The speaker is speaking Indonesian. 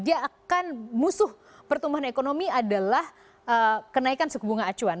dia akan musuh pertumbuhan ekonomi adalah kenaikan suku bunga acuan